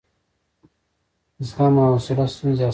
زغم او حوصله ستونزې اسانه کوي.